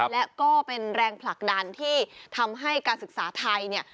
และก็เป็นแรงผลักดันที่ทำให้การศึกษาไทยเนี่ย